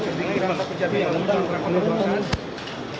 jadi kita akan mencari penerimaan untuk perangkat perbuatan